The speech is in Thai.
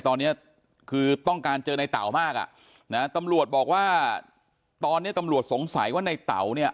ตอนนี้คือต้องการเจอในเต๋ามากอ่ะนะตำรวจบอกว่าตอนนี้ตำรวจสงสัยว่าในเต๋าเนี่ย